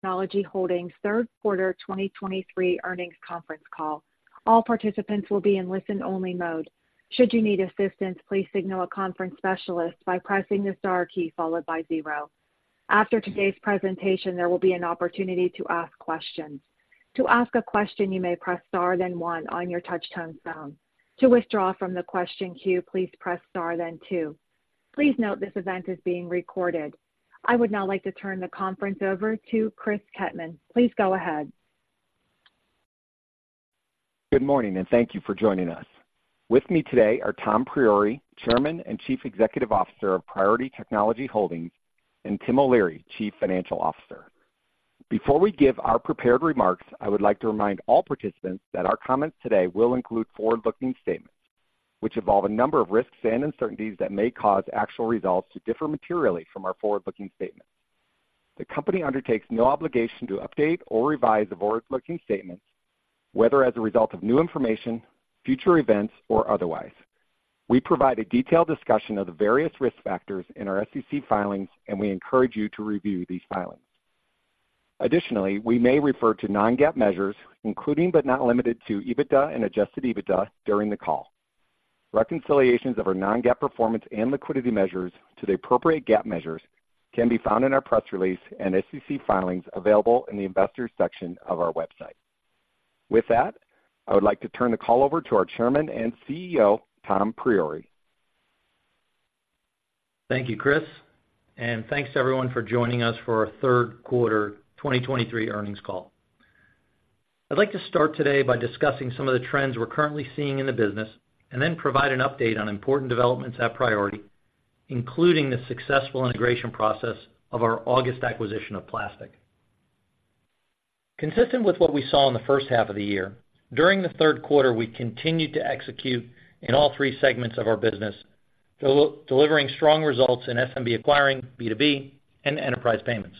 Technology Holdings third quarter 2023 earnings conference call. All participants will be in listen-only mode. Should you need assistance, please signal a conference specialist by pressing the star key followed by zero. After today's presentation, there will be an opportunity to ask questions. To ask a question, you may press star, then one on your touchtone phone. To withdraw from the question queue, please press star, then two. Please note this event is being recorded. I would now like to turn the conference over to Chris Kettmann. Please go ahead. Good morning, and thank you for joining us. With me today are Tom Priore, Chairman and Chief Executive Officer of Priority Technology Holdings, and Tim O'Leary, Chief Financial Officer. Before we give our prepared remarks, I would like to remind all participants that our comments today will include forward-looking statements, which involve a number of risks and uncertainties that may cause actual results to differ materially from our forward-looking statements. The company undertakes no obligation to update or revise the forward-looking statements, whether as a result of new information, future events, or otherwise. We provide a detailed discussion of the various risk factors in our SEC filings, and we encourage you to review these filings. Additionally, we may refer to non-GAAP measures, including, but not limited to, EBITDA and adjusted EBITDA during the call. Reconciliations of our non-GAAP performance and liquidity measures to the appropriate GAAP measures can be found in our press release and SEC filings available in the Investors section of our website. With that, I would like to turn the call over to our chairman and CEO, Tom Priore. Thank you, Chris, and thanks to everyone for joining us for our third quarter 2023 earnings call. I'd like to start today by discussing some of the trends we're currently seeing in the business and then provide an update on important developments at Priority, including the successful integration process of our August acquisition of Plastiq. Consistent with what we saw in the first half of the year, during the third quarter, we continued to execute in all three segments of our business, delivering strong results in SMB acquiring, B2B, and enterprise payments.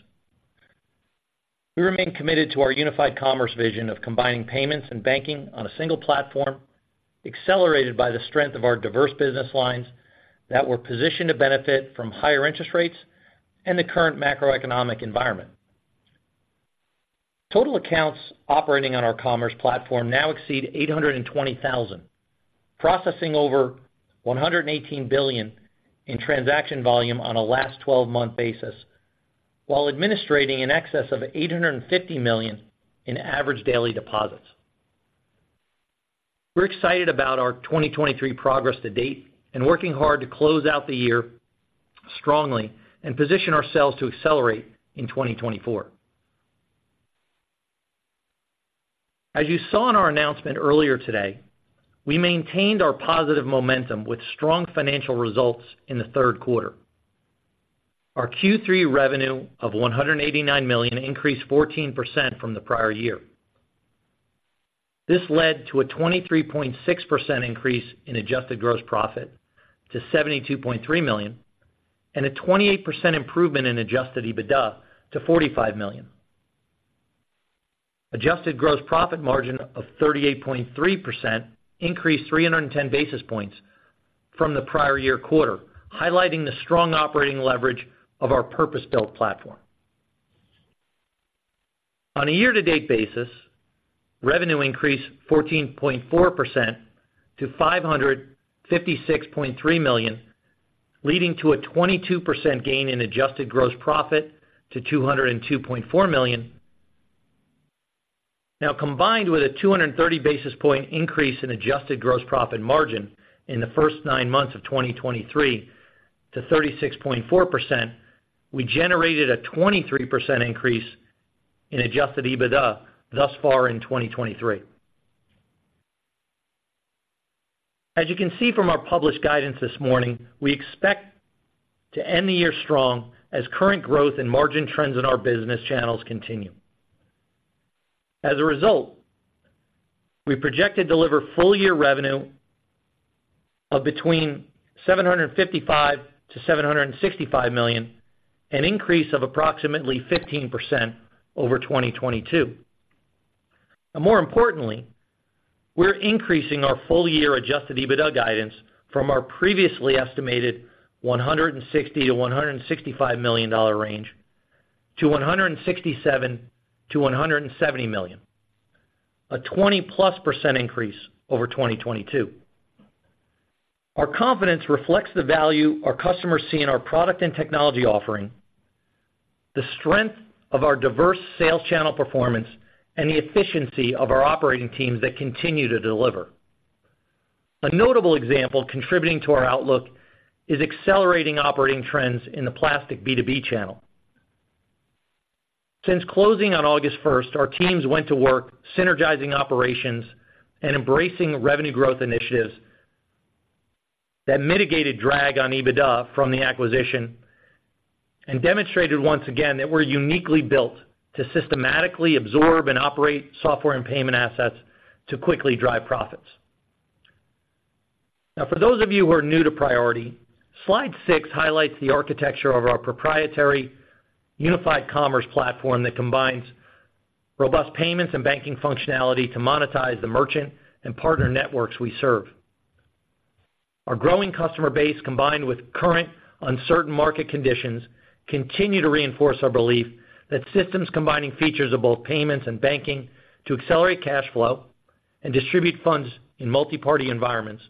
We remain committed to our unified commerce vision of combining payments and banking on a single platform, accelerated by the strength of our diverse business lines that were positioned to benefit from higher interest rates and the current macroeconomic environment. Total accounts operating on our commerce platform now exceed 820,000, processing over $118 billion in transaction volume on a last twelve-month basis, while administering in excess of $850 million in average daily deposits. We're excited about our 2023 progress to date and working hard to close out the year strongly and position ourselves to accelerate in 2024. As you saw in our announcement earlier today, we maintained our positive momentum with strong financial results in the third quarter. Our Q3 revenue of $189 million increased 14% from the prior year. This led to a 23.6% increase in adjusted gross profit to $72.3 million and a 28% improvement in adjusted EBITDA to $45 million. Adjusted gross profit margin of 38.3% increased 310 basis points from the prior year quarter, highlighting the strong operating leverage of our purpose-built platform. On a year-to-date basis, revenue increased 14.4% to $556.3 million, leading to a 22% gain in adjusted gross profit to $202.4 million. Now, combined with a 230 basis point increase in adjusted gross profit margin in the first nine months of 2023 to 36.4%, we generated a 23% increase in adjusted EBITDA thus far in 2023. As you can see from our published guidance this morning, we expect to end the year strong as current growth and margin trends in our business channels continue. As a result, we projected to deliver full-year revenue of between $755-$765 million, an increase of approximately 15% over 2022. But more importantly, we're increasing our full-year adjusted EBITDA guidance from our previously estimated $160 million-$165 million range to $167 million-$170 million, a 20%+ increase over 2022. Our confidence reflects the value our customers see in our product and technology offering, the strength of our diverse sales channel performance, and the efficiency of our operating teams that continue to deliver. A notable example contributing to our outlook is accelerating operating trends in the Plastiq B2B channel. Since closing on August first, our teams went to work synergizing operations and embracing revenue growth initiatives that mitigated drag on EBITDA from the acquisition and demonstrated once again that we're uniquely built to systematically absorb and operate software and payment assets to quickly drive profits. Now, for those of you who are new to Priority, slide 6 highlights the architecture of our proprietary unified commerce platform that combines robust payments and banking functionality to monetize the merchant and partner networks we serve. Our growing customer base, combined with current uncertain market conditions, continue to reinforce our belief that systems combining features of both payments and banking to accelerate cash flow and distribute funds in multiparty environments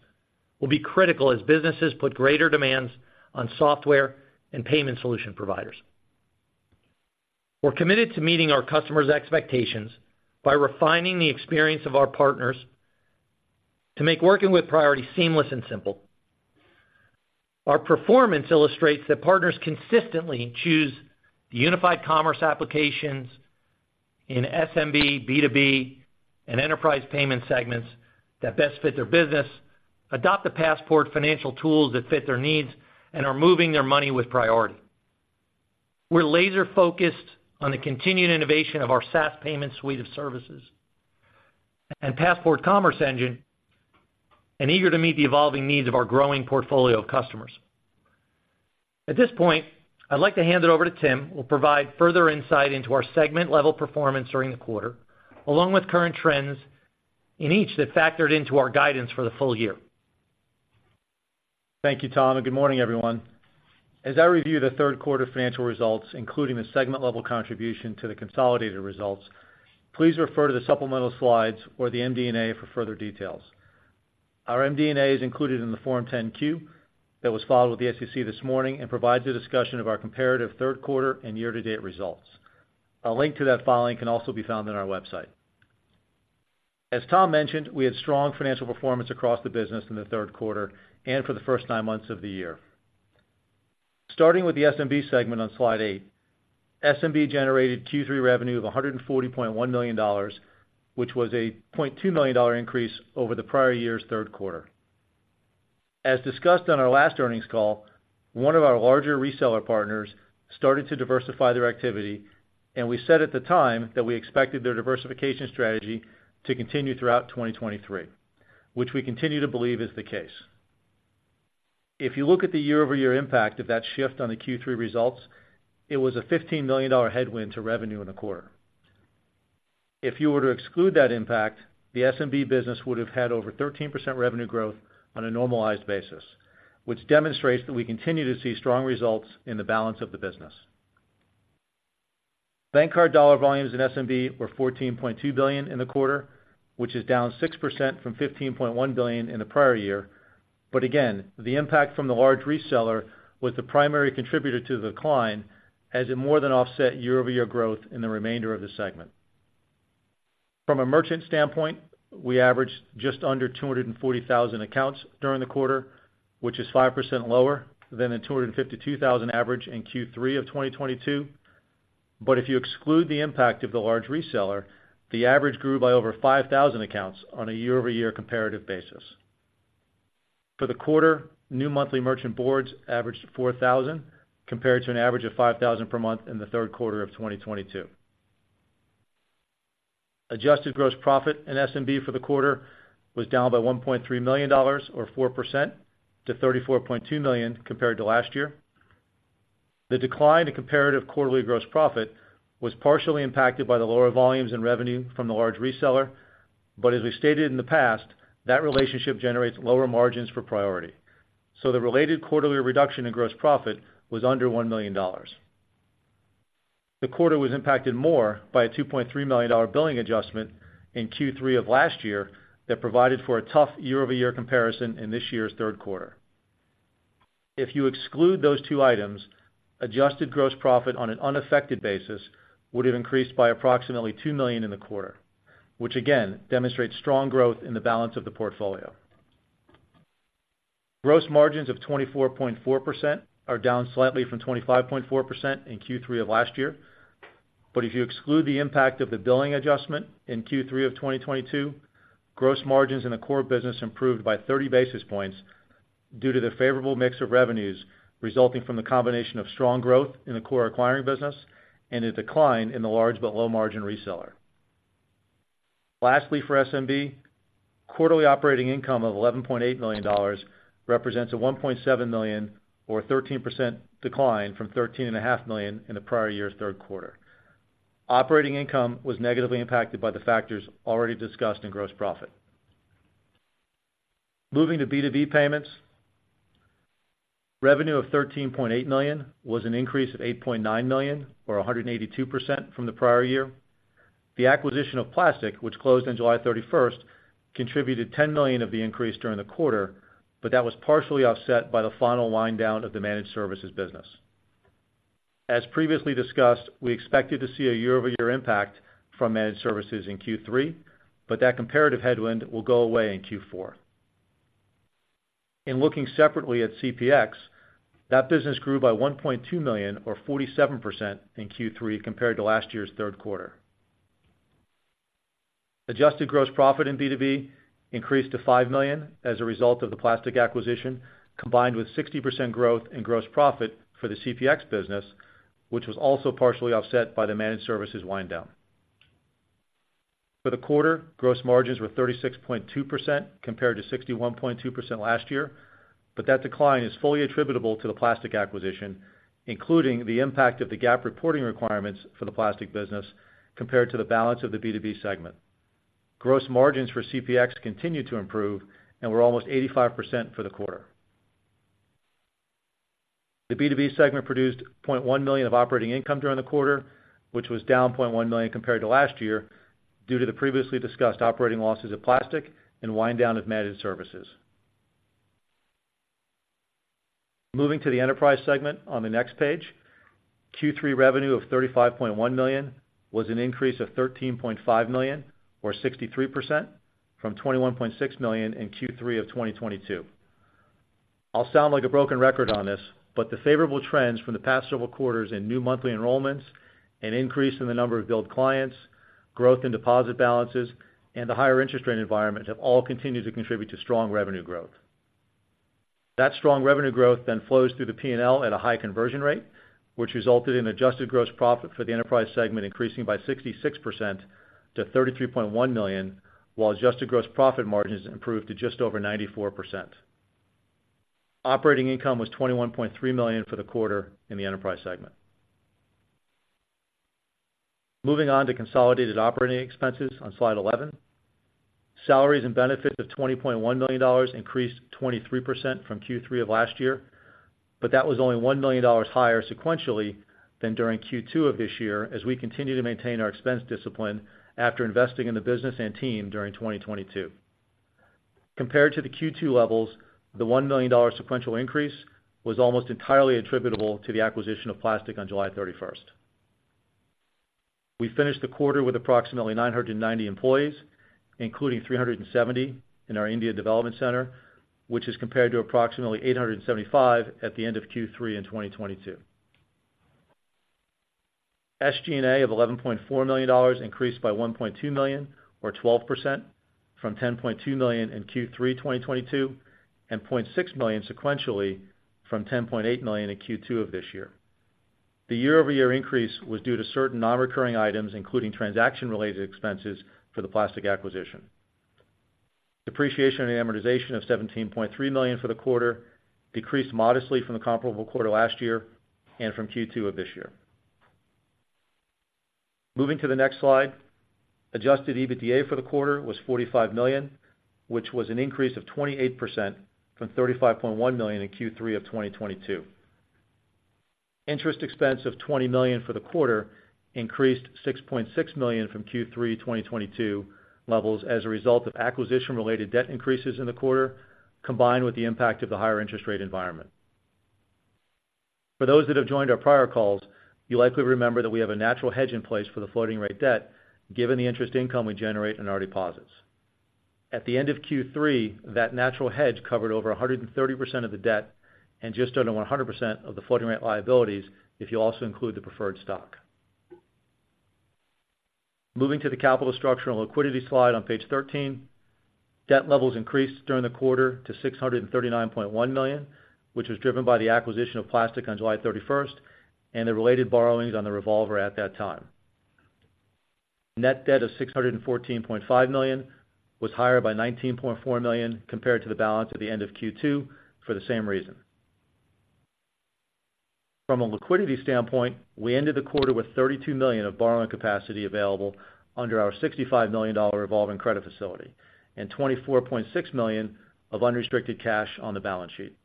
will be critical as businesses put greater demands on software and payment solution providers. We're committed to meeting our customers' expectations by refining the experience of our partners to make working with Priority seamless and simple. Our performance illustrates that partners consistently choose the unified commerce applications in SMB, B2B, and enterprise payment segments that best fit their business, adopt the Passport financial tools that fit their needs, and are moving their money with Priority. We're laser-focused on the continued innovation of our SaaS payment suite of services and Passport Commerce Engine, and eager to meet the evolving needs of our growing portfolio of customers. At this point, I'd like to hand it over to Tim, who will provide further insight into our segment-level performance during the quarter, along with current trends in each that factored into our guidance for the full year. Thank you, Tom, and good morning, everyone. As I review the third quarter financial results, including the segment-level contribution to the consolidated results, please refer to the supplemental slides or the MD&A for further details. Our MD&A is included in the Form 10-Q that was filed with the SEC this morning and provides a discussion of our comparative third quarter and year-to-date results. A link to that filing can also be found on our website. As Tom mentioned, we had strong financial performance across the business in the third quarter and for the first nine months of the year. Starting with the SMB segment on Slide 8, SMB generated Q3 revenue of $140.1 million, which was a $0.2 million increase over the prior year's third quarter. As discussed on our last earnings call, one of our larger reseller partners started to diversify their activity, and we said at the time that we expected their diversification strategy to continue throughout 2023, which we continue to believe is the case. If you look at the year-over-year impact of that shift on the Q3 results, it was a $15 million headwind to revenue in the quarter. If you were to exclude that impact, the SMB business would have had over 13% revenue growth on a normalized basis, which demonstrates that we continue to see strong results in the balance of the business. Bank card dollar volumes in SMB were $14.2 billion in the quarter, which is down 6% from $15.1 billion in the prior year. But again, the impact from the large reseller was the primary contributor to the decline, as it more than offset year-over-year growth in the remainder of the segment. From a merchant standpoint, we averaged just under 240,000 accounts during the quarter, which is 5% lower than the 252,000 average in Q3 of 2022. But if you exclude the impact of the large reseller, the average grew by over 5,000 accounts on a year-over-year comparative basis. For the quarter, new monthly merchant boards averaged 4,000, compared to an average of 5,000 per month in the third quarter of 2022. Adjusted gross profit in SMB for the quarter was down by $1.3 million, or 4%, to $34.2 million compared to last year. The decline in comparative quarterly gross profit was partially impacted by the lower volumes in revenue from the large reseller, but as we stated in the past, that relationship generates lower margins for Priority, so the related quarterly reduction in gross profit was under $1 million. The quarter was impacted more by a $2.3 million billing adjustment in Q3 of last year that provided for a tough year-over-year comparison in this year's third quarter. If you exclude those two items, adjusted gross profit on an unaffected basis would have increased by approximately $2 million in the quarter, which again demonstrates strong growth in the balance of the portfolio. Gross margins of 24.4% are down slightly from 25.4% in Q3 of last year. But if you exclude the impact of the billing adjustment in Q3 of 2022, gross margins in the core business improved by 30 basis points due to the favorable mix of revenues, resulting from the combination of strong growth in the core acquiring business and a decline in the large but low-margin reseller. Lastly, for SMB, quarterly operating income of $11.8 million represents a $1.7 million or 13% decline from $13.5 million in the prior year's third quarter. Operating income was negatively impacted by the factors already discussed in gross profit. Moving to B2B payments, revenue of $13.8 million was an increase of $8.9 million, or 182%, from the prior year. The acquisition of Plastiq, which closed on July 31st, contributed $10 million of the increase during the quarter, but that was partially offset by the final wind down of the managed services business. As previously discussed, we expected to see a year-over-year impact from managed services in Q3, but that comparative headwind will go away in Q4. In looking separately at CPX, that business grew by $1.2 million, or 47%, in Q3 compared to last year's third quarter. Adjusted gross profit in B2B increased to $5 million as a result of the Plastiq acquisition, combined with 60% growth in gross profit for the CPX business, which was also partially offset by the managed services wind down. For the quarter, gross margins were 36.2%, compared to 61.2% last year, but that decline is fully attributable to the Plastiq acquisition, including the impact of the GAAP reporting requirements for the Plastiq business compared to the balance of the B2B segment. Gross margins for CPX continued to improve and were almost 85% for the quarter. The B2B segment produced $0.1 million of operating income during the quarter, which was down $0.1 million compared to last year, due to the previously discussed operating losses of Plastiq and wind down of managed services. Moving to the enterprise segment on the next page. Q3 revenue of $35.1 million was an increase of $13.5 million, or 63%, from $21.6 million in Q3 of 2022. I'll sound like a broken record on this, but the favorable trends from the past several quarters in new monthly enrollments, an increase in the number of billed clients, growth in deposit balances, and the higher interest rate environment have all continued to contribute to strong revenue growth. That strong revenue growth then flows through the P&L at a high conversion rate, which resulted in adjusted gross profit for the enterprise segment increasing by 66% to $33.1 million, while adjusted gross profit margins improved to just over 94%. Operating income was $21.3 million for the quarter in the enterprise segment. Moving on to consolidated operating expenses on Slide 11. Salaries and benefits of $20.1 million increased 23% from Q3 of last year, but that was only $1 million higher sequentially than during Q2 of this year, as we continue to maintain our expense discipline after investing in the business and team during 2022. Compared to the Q2 levels, the $1 million sequential increase was almost entirely attributable to the acquisition of Plastiq on July 31. We finished the quarter with approximately 990 employees, including 370 in our India Development Center, which is compared to approximately 875 at the end of Q3 in 2022. SG&A of $11.4 million increased by $1.2 million, or 12%, from $10.2 million in Q3 2022, and $0.6 million sequentially from $10.8 million in Q2 of this year. The year-over-year increase was due to certain non-recurring items, including transaction-related expenses for the Plastiq acquisition. Depreciation and amortization of $17.3 million for the quarter decreased modestly from the comparable quarter last year and from Q2 of this year. Moving to the next slide. Adjusted EBITDA for the quarter was $45 million, which was an increase of 28% from $35.1 million in Q3 2022. Interest expense of $20 million for the quarter increased $6.6 million from Q3 2022 levels as a result of acquisition-related debt increases in the quarter, combined with the impact of the higher interest rate environment. For those that have joined our prior calls, you likely remember that we have a natural hedge in place for the floating rate debt, given the interest income we generate in our deposits. At the end of Q3, that natural hedge covered over 130% of the debt and just under 100% of the floating rate liabilities, if you also include the preferred stock. Moving to the capital structure and liquidity slide on page 13. Debt levels increased during the quarter to $639.1 million, which was driven by the acquisition of Plastiq on July thirty-first and the related borrowings on the revolver at that time. Net debt of $614.5 million was higher by $19.4 million compared to the balance at the end of Q2 for the same reason. From a liquidity standpoint, we ended the quarter with $32 million of borrowing capacity available under our $65 million revolving credit facility and $24.6 million of unrestricted cash on the balance sheet.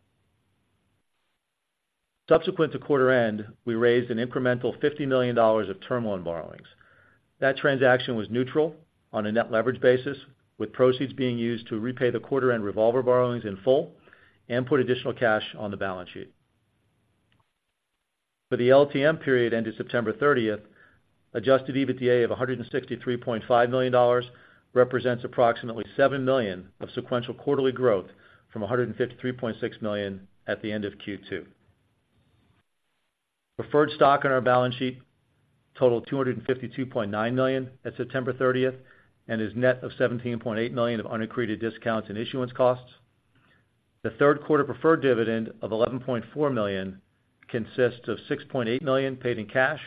Subsequent to quarter end, we raised an incremental $50 million of term loan borrowings. That transaction was neutral on a net leverage basis, with proceeds being used to repay the quarter end revolver borrowings in full and put additional cash on the balance sheet. For the LTM period ended September 30, Adjusted EBITDA of $163.5 million represents approximately $7 million of sequential quarterly growth from $153.6 million at the end of Q2. Preferred stock on our balance sheet totaled $252.9 million at September 30 and is net of $17.8 million of unaccreted discounts and issuance costs. The third quarter preferred dividend of $11.4 million consists of $6.8 million paid in cash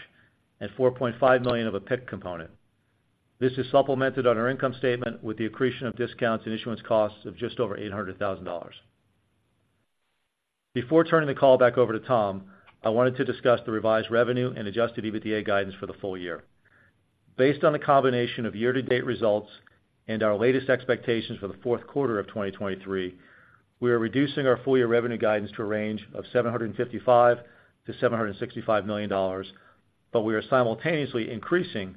and $4.5 million of a PIK component. This is supplemented on our income statement with the accretion of discounts and issuance costs of just over $800,000. Before turning the call back over to Tom, I wanted to discuss the revised revenue and adjusted EBITDA guidance for the full year. Based on the combination of year-to-date results and our latest expectations for the fourth quarter of 2023, we are reducing our full-year revenue guidance to a range of $755 million-$765 million, but we are simultaneously increasing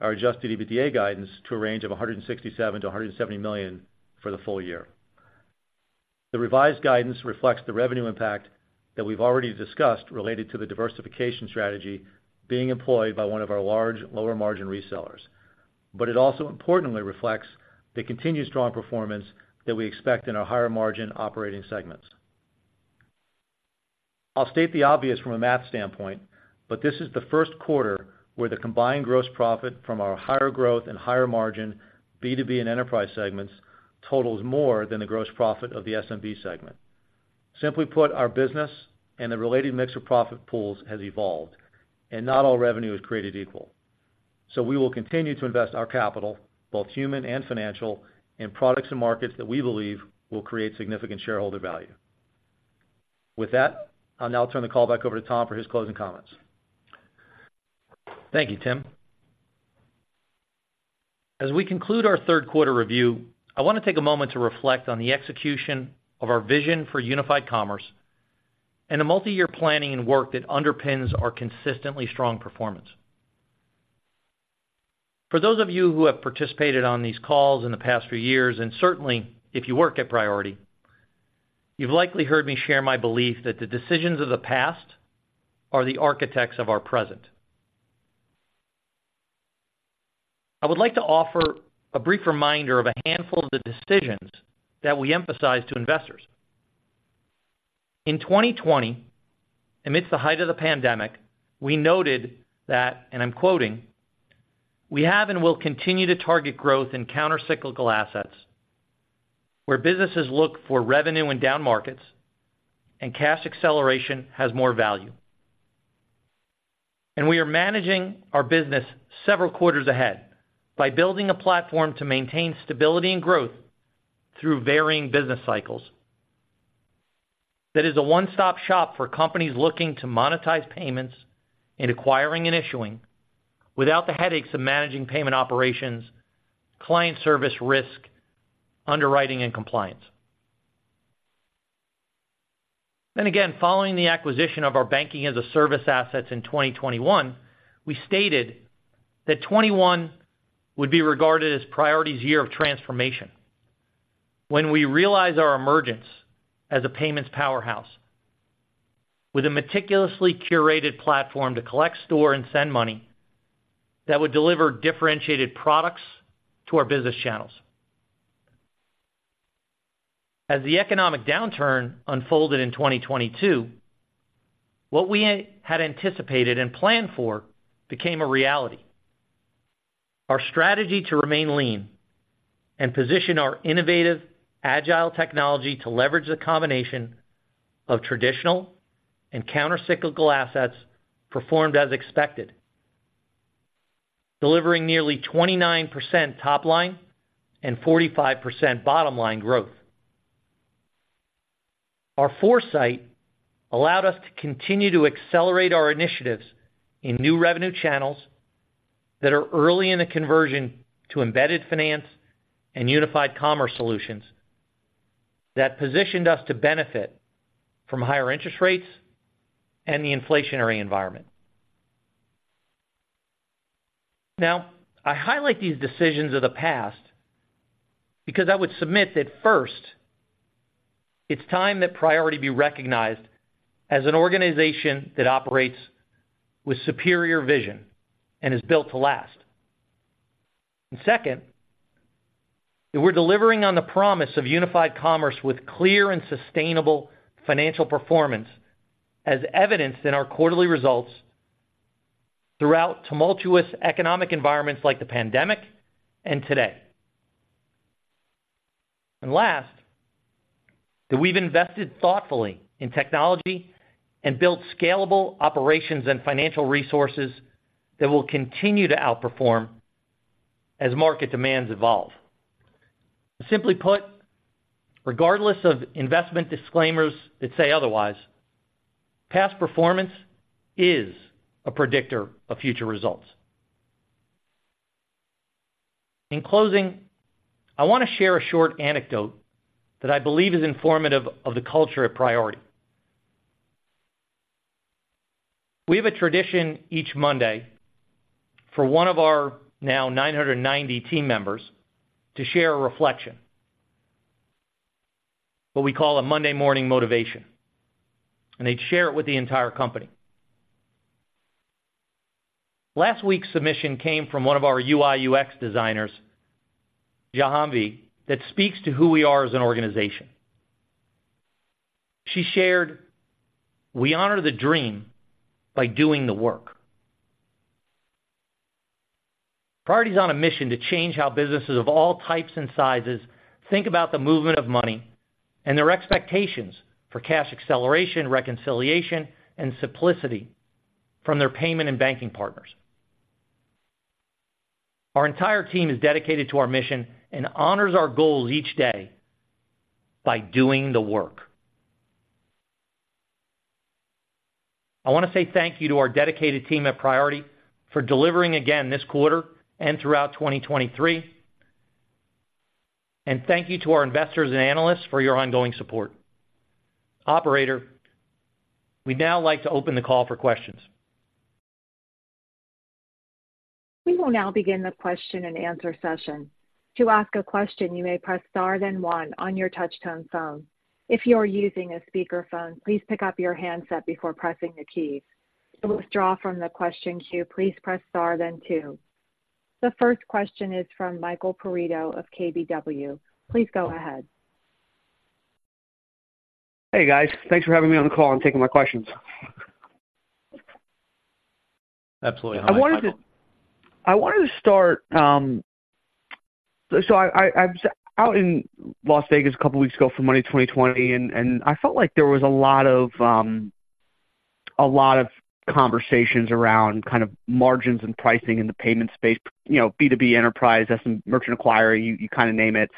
our adjusted EBITDA guidance to a range of $167 million-$170 million for the full year. The revised guidance reflects the revenue impact that we've already discussed related to the diversification strategy being employed by one of our large, lower-margin resellers. But it also importantly reflects the continued strong performance that we expect in our higher-margin operating segments. I'll state the obvious from a math standpoint, but this is the first quarter where the combined gross profit from our higher-growth and higher-margin B2B and enterprise segments totals more than the gross profit of the SMB segment. Simply put, our business and the related mix of profit pools has evolved, and not all revenue is created equal. So we will continue to invest our capital, both human and financial, in products and markets that we believe will create significant shareholder value.... With that, I'll now turn the call back over to Tom for his closing comments. Thank you, Tim. As we conclude our third quarter review, I want to take a moment to reflect on the execution of our vision for unified commerce and the multi-year planning and work that underpins our consistently strong performance. For those of you who have participated on these calls in the past few years, and certainly if you work at Priority, you've likely heard me share my belief that the decisions of the past are the architects of our present. I would like to offer a brief reminder of a handful of the decisions that we emphasize to investors. In 2020, amidst the height of the pandemic, we noted that, and I'm quoting, "We have and will continue to target growth in countercyclical assets, where businesses look for revenue in down markets and cash acceleration has more value. We are managing our business several quarters ahead by building a platform to maintain stability and growth through varying business cycles. That is a one-stop shop for companies looking to monetize payments in acquiring and issuing, without the headaches of managing payment operations, client service risk, underwriting, and compliance. Then again, following the acquisition of our banking-as-a-service assets in 2021, we stated that 2021 would be regarded as Priority's year of transformation, when we realize our emergence as a payments powerhouse with a meticulously curated platform to collect, store, and send money that would deliver differentiated products to our business channels. As the economic downturn unfolded in 2022, what we had anticipated and planned for became a reality. Our strategy to remain lean and position our innovative, agile technology to leverage the combination of traditional and countercyclical assets performed as expected, delivering nearly 29% top line and 45% bottom line growth. Our foresight allowed us to continue to accelerate our initiatives in new revenue channels that are early in the conversion to embedded finance and unified commerce solutions that positioned us to benefit from higher interest rates and the inflationary environment. Now, I highlight these decisions of the past because I would submit that, first, it's time that Priority be recognized as an organization that operates with superior vision and is built to last. And second, that we're delivering on the promise of unified commerce with clear and sustainable financial performance, as evidenced in our quarterly results throughout tumultuous economic environments like the pandemic and today. Last, that we've invested thoughtfully in technology and built scalable operations and financial resources that will continue to outperform as market demands evolve. Simply put, regardless of investment disclaimers that say otherwise, past performance is a predictor of future results. In closing, I want to share a short anecdote that I believe is informative of the culture at Priority. We have a tradition each Monday for one of our now 990 team members to share a reflection, what we call a Monday morning motivation, and they'd share it with the entire company. Last week's submission came from one of our UI/UX designers, Jahumbi, that speaks to who we are as an organization. She shared, "We honor the dream by doing the work." Priority is on a mission to change how businesses of all types and sizes think about the movement of money and their expectations for cash acceleration, reconciliation, and simplicity from their payment and banking partners. Our entire team is dedicated to our mission and honors our goals each day by doing the work. I want to say thank you to our dedicated team at Priority for delivering again this quarter and throughout 2023. And thank you to our investors and analysts for your ongoing support. Operator, we'd now like to open the call for questions. We will now begin the question-and-answer session. To ask a question, you may press star then one on your touchtone phone. If you are using a speakerphone, please pick up your handset before pressing the key. To withdraw from the question queue, please press star then two. The first question is from Michael Perito of KBW. Please go ahead. Hey, guys. Thanks for having me on the call and taking my questions. Absolutely. I wanted to start. So I was out in Las Vegas a couple weeks ago for Money 20/20, and I felt like there was a lot of,... a lot of conversations around kind of margins and pricing in the payment space, you know, B2B enterprise, SM, merchant acquirer, you kind of name it.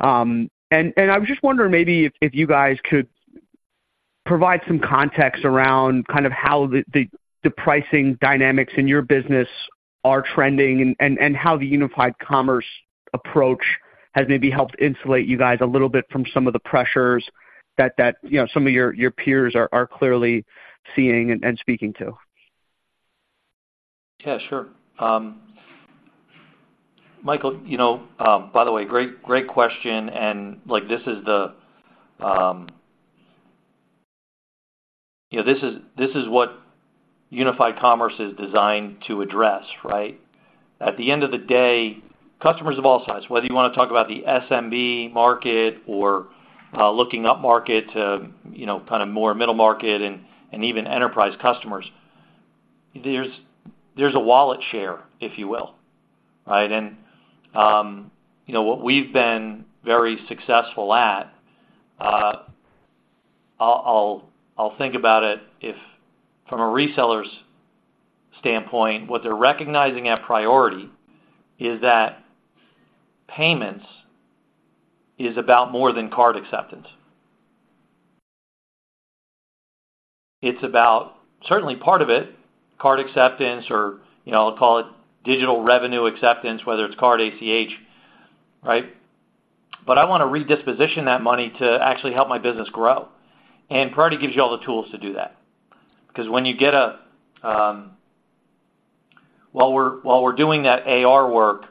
And I was just wondering maybe if you guys could provide some context around kind of how the pricing dynamics in your business are trending and how the unified commerce approach has maybe helped insulate you guys a little bit from some of the pressures that you know, some of your peers are clearly seeing and speaking to. Yeah, sure. Michael, you know, by the way, great, great question, and, like, this is the, you know, this is, this is what unified commerce is designed to address, right? At the end of the day, customers of all sizes, whether you want to talk about the SMB market or, looking upmarket to, you know, kind of more middle market and, and even enterprise customers, there's, there's a wallet share, if you will, right? And, you know, what we've been very successful at, I'll think about it, if from a reseller's standpoint, what they're recognizing at Priority is that payments is about more than card acceptance. It's about, certainly part of it, card acceptance or, you know, I'll call it digital revenue acceptance, whether it's card, ACH, right? But I want to reposition that money to actually help my business grow, and Priority gives you all the tools to do that because when you get a while we're doing that AR work,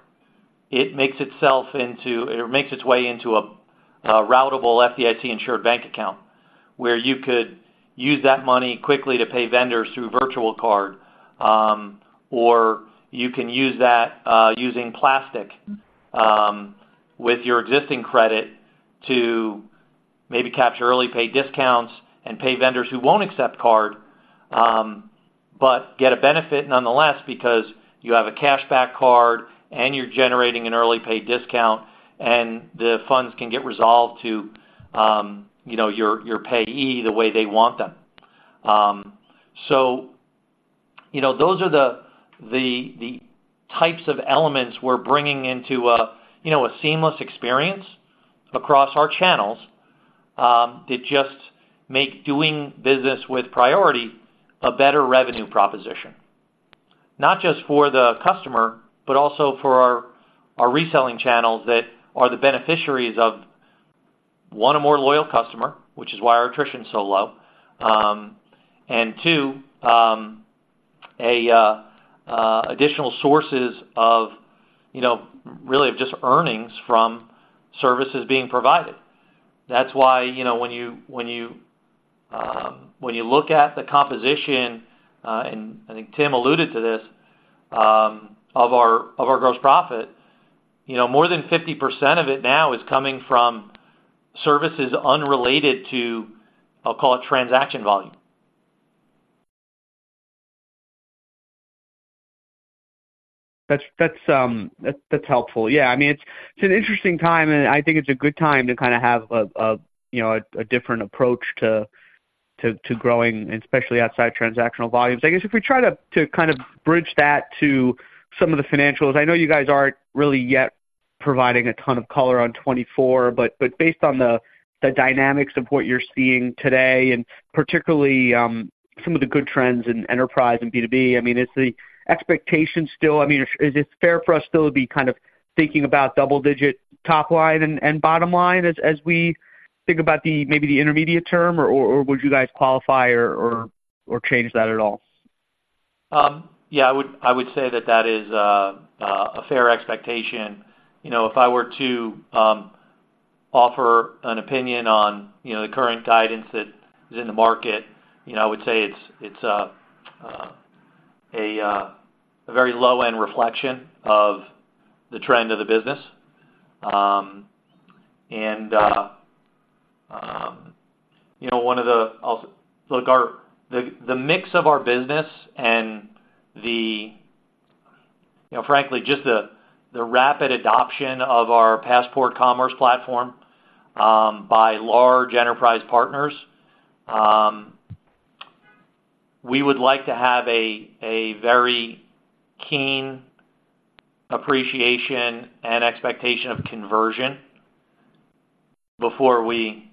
it makes its way into a routable FDIC-insured bank account, where you could use that money quickly to pay vendors through virtual card, or you can use that using plastic with your existing credit to maybe capture early pay discounts and pay vendors who won't accept card, but get a benefit nonetheless because you have a cashback card, and you're generating an early pay discount, and the funds can get resolved to, you know, your payee the way they want them. So, you know, those are the types of elements we're bringing into a, you know, a seamless experience across our channels, that just make doing business with Priority a better revenue proposition. Not just for the customer, but also for our reselling channels that are the beneficiaries of, one, a more loyal customer, which is why our attrition is so low, and two, additional sources of, you know, really just earnings from services being provided. That's why, you know, when you look at the composition, and I think Tim alluded to this, of our gross profit, you know, more than 50% of it now is coming from services unrelated to, I'll call it, transaction volume. That's helpful. Yeah, I mean, it's an interesting time, and I think it's a good time to kind of have a, you know, a different approach to growing, especially outside transactional volumes. I guess if we try to kind of bridge that to some of the financials, I know you guys aren't really yet providing a ton of color on 2024, but based on the dynamics of what you're seeing today, and particularly, some of the good trends in enterprise and B2B, I mean, is the expectation still... I mean, is it fair for us still to be kind of thinking about double-digit top line and bottom line as we think about, maybe the intermediate term, or would you guys qualify or change that at all? Yeah, I would, I would say that that is a fair expectation. You know, if I were to offer an opinion on, you know, the current guidance that is in the market, you know, I would say it's, it's a very low-end reflection of the trend of the business. And, you know, one of the... Look, our, the mix of our business and the, you know, frankly, just the rapid adoption of our Passport commerce platform by large enterprise partners, we would like to have a very keen appreciation and expectation of conversion before we,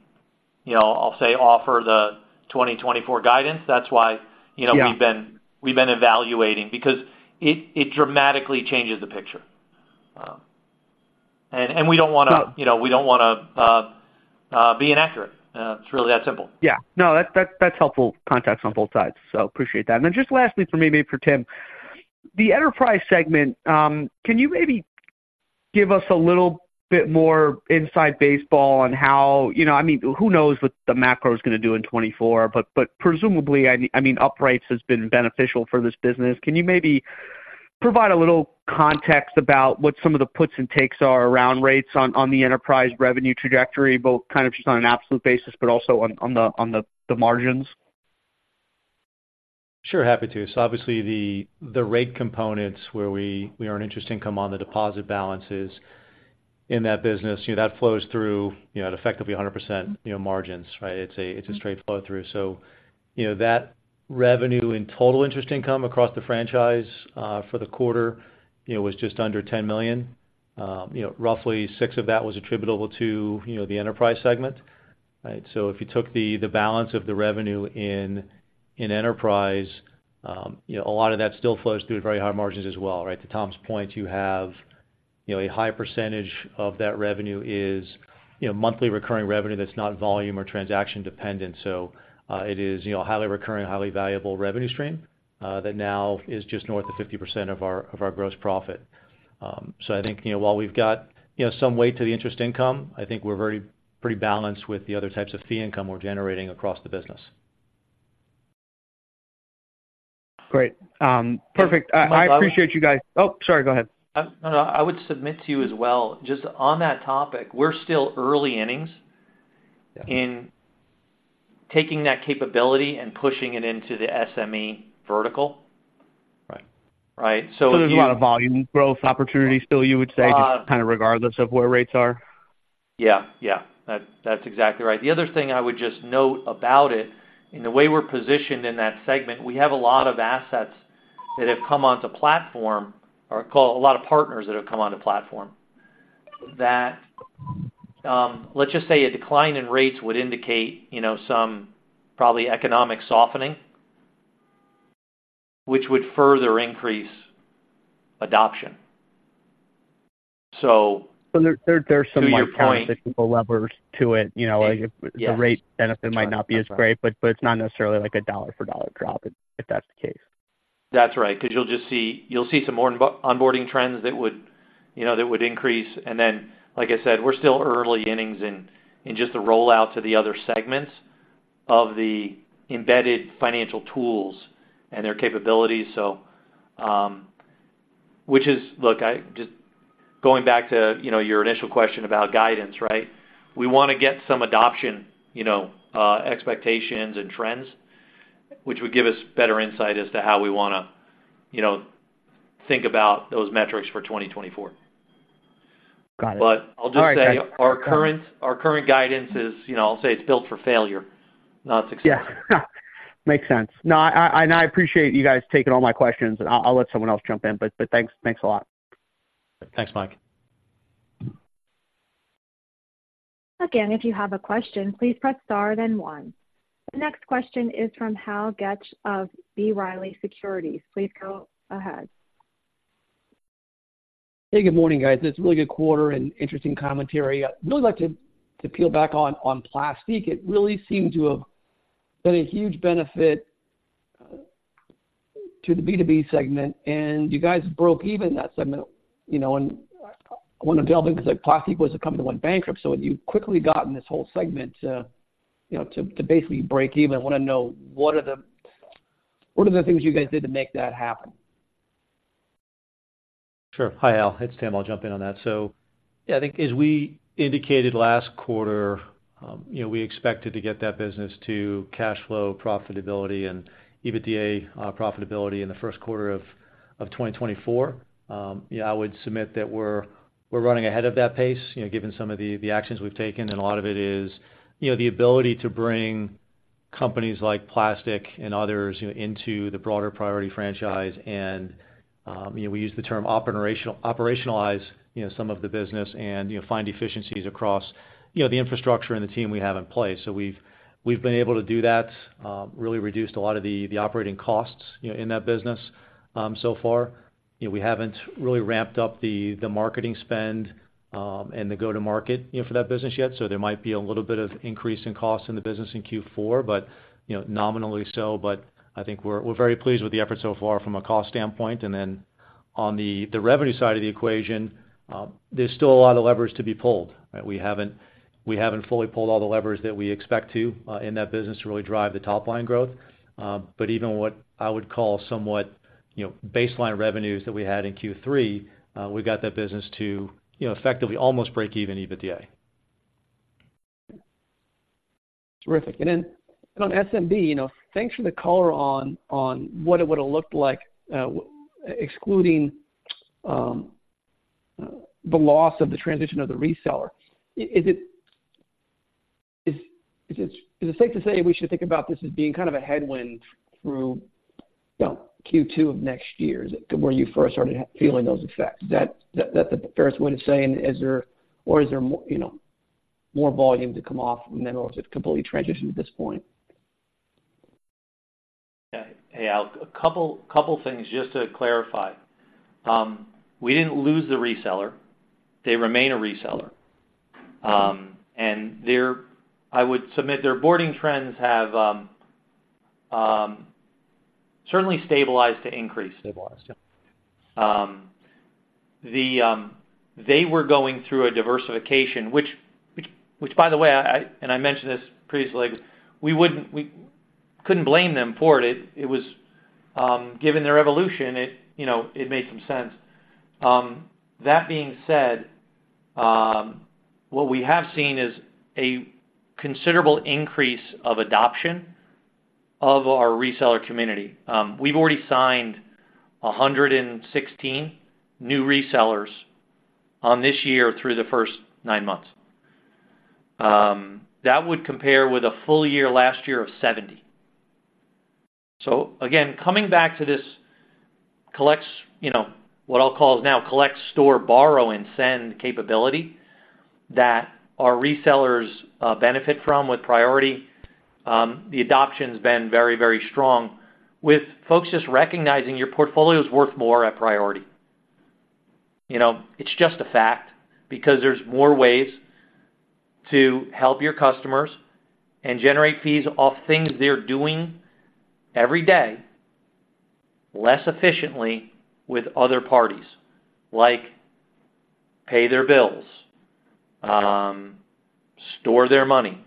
you know, I'll say, offer the 2024 guidance. That's why, you know- Yeah... we've been evaluating because it dramatically changes the picture. And we don't wanna- Sure... you know, we don't wanna be inaccurate. It's really that simple. Yeah. No, that's helpful context on both sides, so appreciate that. And then just lastly for me, maybe for Tim, the enterprise segment, can you maybe give us a little bit more inside baseball on how, you know, I mean, who knows what the macro is gonna do in 2024? But, but presumably, I mean, higher rates have been beneficial for this business. Can you maybe provide a little context about what some of the puts and takes are around rates on the enterprise revenue trajectory, both kind of just on an absolute basis, but also on the margins?... Sure, happy to. So obviously, the rate components where we earn interest income on the deposit balances in that business, you know, that flows through, you know, at effectively 100%, you know, margins, right? It's a straight flow through. So, you know, that revenue in total interest income across the franchise for the quarter, you know, was just under $10 million. Roughly $6 million of that was attributable to, you know, the enterprise segment, right? So if you took the balance of the revenue in enterprise, you know, a lot of that still flows through at very high margins as well, right? To Tom's point, you have, you know, a high percentage of that revenue is, you know, monthly recurring revenue that's not volume or transaction dependent. So, it is, you know, a highly recurring, highly valuable revenue stream, that now is just north of 50% of our, of our gross profit. So I think, you know, while we've got, you know, some weight to the interest income, I think we're very pretty balanced with the other types of fee income we're generating across the business. Great. Perfect. I appreciate you guys. Oh, sorry, go ahead. No, no, I would submit to you as well, just on that topic, we're still early innings- Yeah. In taking that capability and pushing it into the SME vertical. Right. Right? So- There's a lot of volume growth opportunity still, you would say, just kind of regardless of where rates are? Yeah. Yeah, that's exactly right. The other thing I would just note about it, in the way we're positioned in that segment, we have a lot of assets that have come onto platform, or call a lot of partners that have come onto platform. That, let's just say a decline in rates would indicate, you know, some probably economic softening, which would further increase adoption. So- There, there's some levers to it, you know, like the rate benefit might not be as great, but it's not necessarily like a dollar for dollar drop, if that's the case. That's right. Because you'll just see, you'll see some more onboarding trends that would, you know, that would increase. And then, like I said, we're still early innings in just the rollout to the other segments of the embedded financial tools and their capabilities. So, which is... Look, I just, going back to, you know, your initial question about guidance, right? We want to get some adoption, you know, expectations and trends, which would give us better insight as to how we want to, you know, think about those metrics for 2024. Got it. But I'll just say, our current, our current guidance is, you know, I'll say it's built for failure, not success. Makes sense. No, and I, I appreciate you guys taking all my questions, and I'll let someone else jump in. But, but thanks. Thanks a lot. Thanks, Mike. Again, if you have a question, please press Star, then one. The next question is from Hal Goetsch of B. Riley Securities. Please go ahead. Hey, good morning, guys. It's a really good quarter and interesting commentary. I'd really like to peel back on Plastiq. It really seemed to have been a huge benefit to the B2B segment, and you guys broke even in that segment, you know, and I want to delve in, because, like, Plastiq was a company went bankrupt, so you've quickly gotten this whole segment to, you know, to basically break even. I want to know, what are the things you guys did to make that happen? Sure. Hi, Al. It's Tim. I'll jump in on that. So yeah, I think as we indicated last quarter, you know, we expected to get that business to cash flow profitability and EBITDA profitability in the first quarter of 2024. Yeah, I would submit that we're running ahead of that pace, you know, given some of the actions we've taken, and a lot of it is, you know, the ability to bring companies like Plastiq and others, you know, into the broader Priority franchise. And, you know, we use the term operationalize, you know, some of the business and, you know, find efficiencies across, you know, the infrastructure and the team we have in place. So we've been able to do that, really reduced a lot of the operating costs, you know, in that business, so far. You know, we haven't really ramped up the marketing spend and the go-to-market, you know, for that business yet. So there might be a little bit of increase in cost in the business in Q4, but, you know, nominally so. But I think we're very pleased with the effort so far from a cost standpoint. And then on the revenue side of the equation, there's still a lot of levers to be pulled, right? We haven't fully pulled all the levers that we expect to in that business to really drive the top line growth. But even what I would call somewhat, you know, baseline revenues that we had in Q3, we got that business to, you know, effectively almost break even EBITDA. Terrific. And then on SMB, you know, thanks for the color on what it would have looked like, excluding the loss of the transition of the reseller. Is it safe to say we should think about this as being kind of a headwind through, you know, Q2 of next year, where you first started feeling those effects? Is that the fairest way to say, and is there more, you know, more volume to come off, and then it's completely transitioned at this point? Yeah. Hey, Al, a couple things just to clarify. We didn't lose the reseller. They remain a reseller. And their—I would submit, their onboarding trends have certainly stabilized to increase. Stabilized, yeah. They were going through a diversification, which, by the way, I mentioned this previously, we couldn't blame them for it. It was, given their evolution, you know, it made some sense. That being said, what we have seen is a considerable increase of adoption of our reseller community. We've already signed 116 new resellers on this year through the first nine months. That would compare with a full year, last year of 70. So again, coming back to this collects, you know, what I'll call now collect, store, borrow, and send capability that our resellers benefit from with Priority. The adoption's been very, very strong, with folks just recognizing your portfolio is worth more at Priority. You know, it's just a fact, because there's more ways to help your customers and generate fees off things they're doing every day, less efficiently with other parties, like pay their bills, store their money,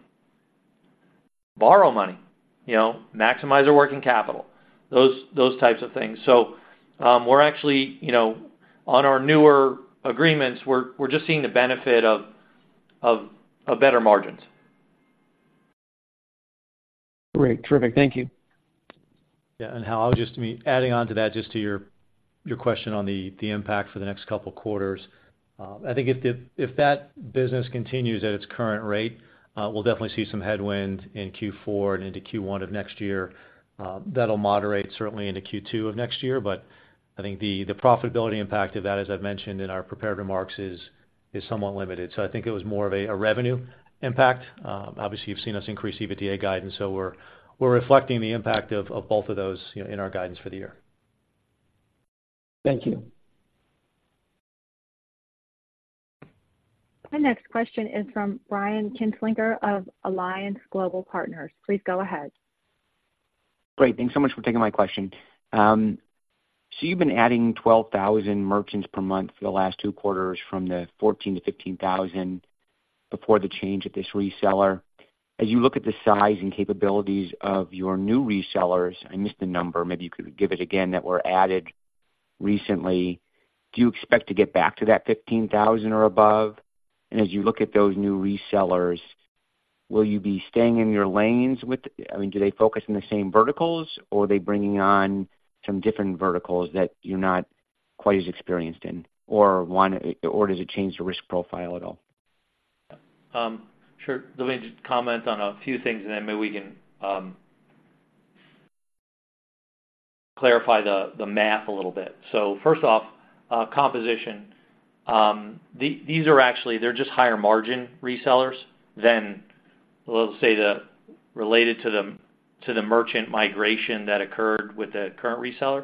borrow money, you know, maximize their working capital, those, those types of things. So, we're actually, you know, on our newer agreements, we're, we're just seeing the benefit of, of, of better margins. Great. Terrific. Thank you. Yeah, and Hal, I'll just be adding on to that, just to your question on the impact for the next couple of quarters. I think if that business continues at its current rate, we'll definitely see some headwind in Q4 and into Q1 of next year. That'll moderate certainly into Q2 of next year, but I think the profitability impact of that, as I've mentioned in our prepared remarks, is somewhat limited. So I think it was more of a revenue impact. Obviously, you've seen us increase EBITDA guidance, so we're reflecting the impact of both of those, you know, in our guidance for the year. Thank you. My next question is from Brian Kinstlinger of Alliance Global Partners. Please go ahead. Great. Thanks so much for taking my question. So you've been adding 12,000 merchants per month for the last two quarters, from the 14,000 to 15,000 before the change of this reseller. As you look at the size and capabilities of your new resellers, I missed the number. Maybe you could give it again that were added recently. Do you expect to get back to that 15,000 or above? And as you look at those new resellers, will you be staying in your lanes with, I mean, do they focus on the same verticals, or are they bringing on some different verticals that you're not quite as experienced in, or does it change the risk profile at all? Sure. Let me just comment on a few things, and then maybe we can clarify the math a little bit. So first off, composition. These are actually—they're just higher-margin resellers than, let's say, the related to the merchant migration that occurred with the current reseller.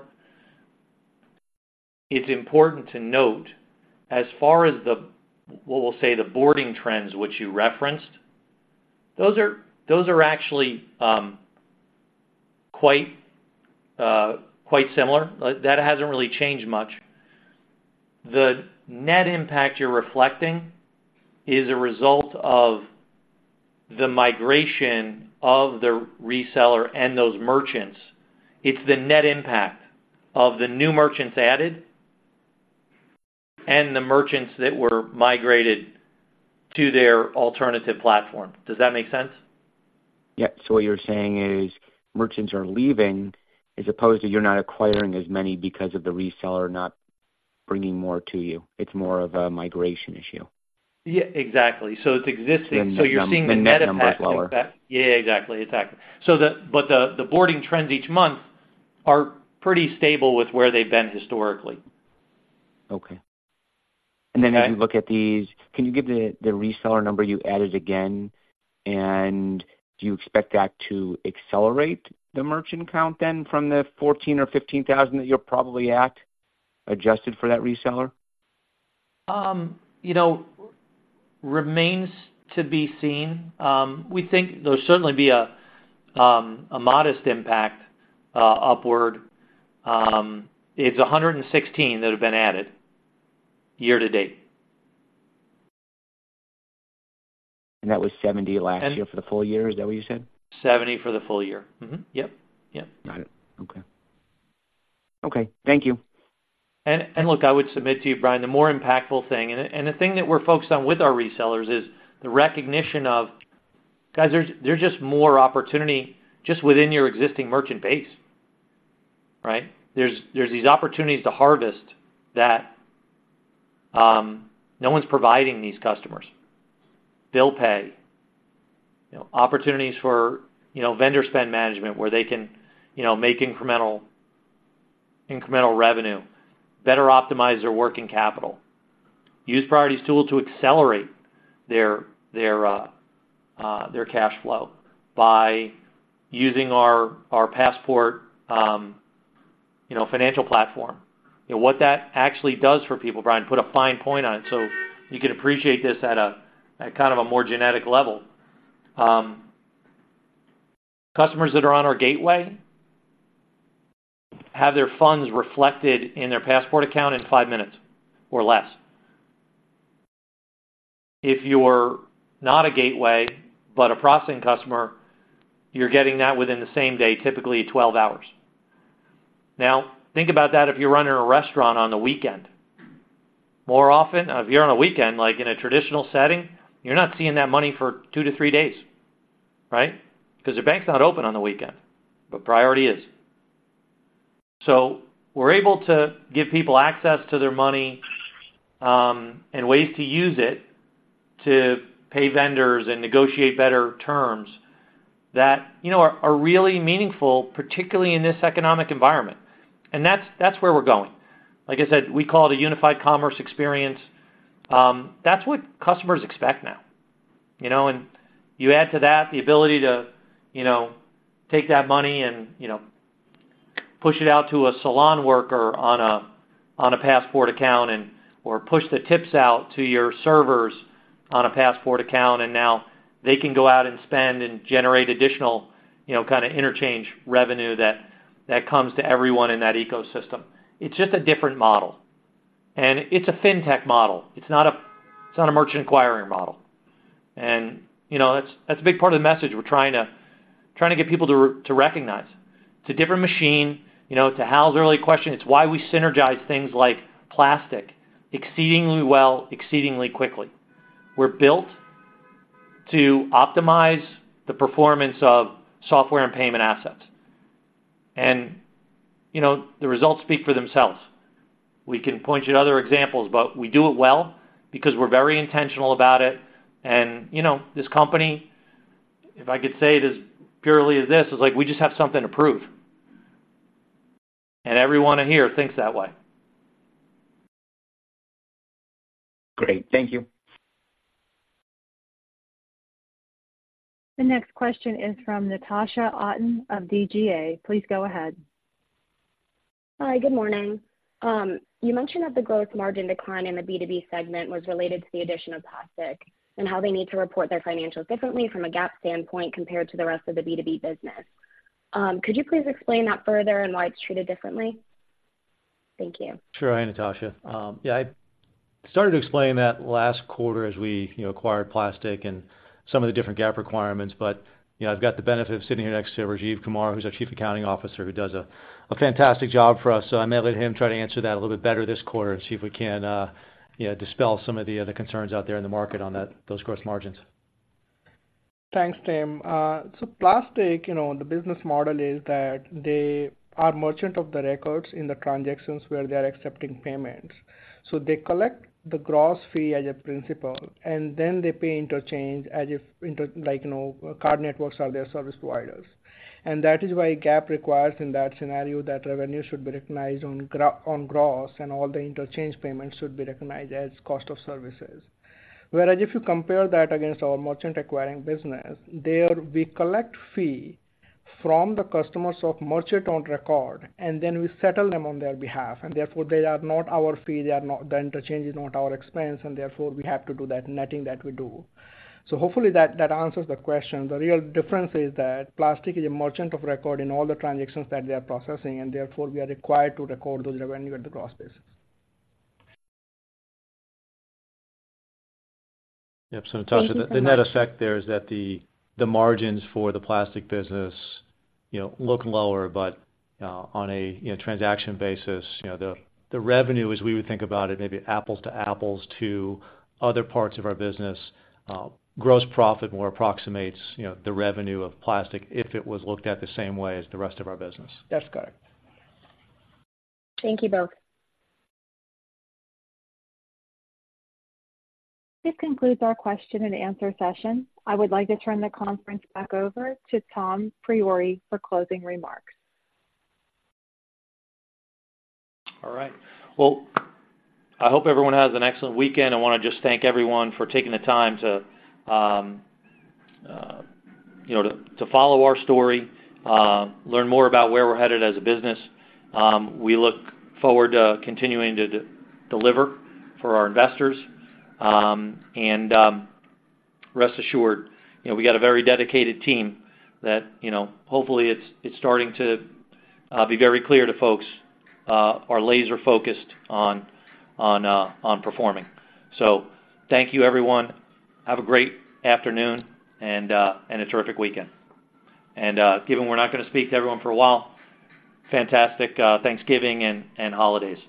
It's important to note, as far as what we'll say, the onboarding trends which you referenced, those are actually quite similar. That hasn't really changed much. The net impact you're reflecting is a result of the migration of the reseller and those merchants. It's the net impact of the new merchants added and the merchants that were migrated to their alternative platform. Does that make sense? Yeah. So what you're saying is merchants are leaving, as opposed to you're not acquiring as many because of the reseller not bringing more to you. It's more of a migration issue. Yeah, exactly. So it's existing- The net number is lower. So you're seeing the meta number. Yeah, exactly. Exactly. So, but the onboarding trends each month are pretty stable with where they've been historically. Okay. Okay. And then as you look at these, can you give the reseller number you added again, and do you expect that to accelerate the merchant count then from the 14 or 15 thousand that you're probably at, adjusted for that reseller? You know, remains to be seen. We think there'll certainly be a modest impact upward. It's 116 that have been added year to date. That was 70 last year for the full year. Is that what you said? 70 for the full year. Mm-hmm. Yep, yep. Got it. Okay. Okay, thank you. Look, I would submit to you, Brian, the more impactful thing, and the thing that we're focused on with our resellers is the recognition of: Guys, there's just more opportunity just within your existing merchant base, right? There's these opportunities to harvest that, no one's providing these customers. Bill pay, you know, opportunities for, you know, vendor spend management, where they can, you know, make incremental revenue, better optimize their working capital, use Priority's tool to accelerate their cash flow by using our Passport, you know, financial platform. You know, what that actually does for people, Brian, put a fine point on it, so you can appreciate this at a, at kind of a more genetic level. Customers that are on our gateway have their funds reflected in their Passport account in five minutes or less. If you're not a gateway, but a processing customer, you're getting that within the same day, typically 12 hours. Now, think about that if you're running a restaurant on the weekend. More often, if you're on a weekend, like in a traditional setting, you're not seeing that money for 2-3 days, right? Because the bank's not open on the weekend, but Priority is. So we're able to give people access to their money, and ways to use it to pay vendors and negotiate better terms that, you know, are, are really meaningful, particularly in this economic environment. And that's, that's where we're going. Like I said, we call it a unified commerce experience. That's what customers expect now, you know, and you add to that the ability to, you know, take that money and, you know, push it out to a salon worker on a, on a Passport account and or push the tips out to your servers on a Passport account, and now they can go out and spend and generate additional, you know, kind of interchange revenue that, that comes to everyone in that ecosystem. It's just a different model, and it's a fintech model. It's not a, it's not a merchant acquiring model. And, you know, that's, that's a big part of the message we're trying to, trying to get people to, to recognize. It's a different machine. You know, to Hal's earlier question, it's why we synergize things like Plastiq exceedingly well, exceedingly quickly. We're built to optimize the performance of software and payment assets. you know, the results speak for themselves. We can point you to other examples, but we do it well because we're very intentional about it. And, you know, this company, if I could say it as purely as this, is like we just have something to prove, and everyone in here thinks that way. Great. Thank you. The next question is from Natasha Otten of DGA. Please go ahead. Hi, good morning. You mentioned that the growth margin decline in the B2B segment was related to the addition of Plastiq and how they need to report their financials differently from a GAAP standpoint compared to the rest of the B2B business. Could you please explain that further and why it's treated differently? Thank you. Sure. Hi, Natasha. Yeah, I started to explain that last quarter as we, you know, acquired Plastiq and some of the different GAAP requirements. But, you know, I've got the benefit of sitting here next to Rajiv Kumar, who's our Chief Accounting Officer, who does a fantastic job for us. So I may let him try to answer that a little bit better this quarter and see if we can, you know, dispel some of the other concerns out there in the market on those gross margins. Thanks, Tim. So Plastiq, you know, the business model is that they are merchant of record in the transactions where they're accepting payments. So they collect the gross fee as a principal, and then they pay interchange as if interchange like, you know, card networks are their service providers. And that is why GAAP requires in that scenario that revenue should be recognized on gross and all the interchange payments should be recognized as cost of services. Whereas if you compare that against our merchant acquiring business, there we collect fee from the customers of merchant on record, and then we settle them on their behalf, and therefore, they are not our fee, they are not... The interchange is not our expense, and therefore, we have to do that netting that we do. So hopefully that, that answers the question. The real difference is that Plastiq is a merchant of record in all the transactions that they are processing, and therefore, we are required to record those revenue at the gross basis. Yep. So Natasha, the net effect there is that the, the margins for the Plastiq business, you know, look lower, but, on a, you know, transaction basis, you know, the, the revenue, as we would think about it, maybe apples to apples to other parts of our business, gross profit more approximates, you know, the revenue of Plastiq if it was looked at the same way as the rest of our business. That's correct. Thank you both. This concludes our question and answer session. I would like to turn the conference back over to Tom Priore for closing remarks. All right. Well, I hope everyone has an excellent weekend. I wanna just thank everyone for taking the time to, you know, to follow our story, learn more about where we're headed as a business. We look forward to continuing to deliver for our investors. And rest assured, you know, we've got a very dedicated team that, you know, hopefully it's starting to be very clear to folks are laser-focused on performing. So thank you, everyone. Have a great afternoon and a terrific weekend. And given we're not gonna speak to everyone for a while, fantastic Thanksgiving and holidays.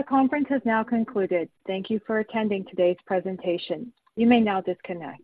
The conference has now concluded. Thank you for attending today's presentation. You may now disconnect.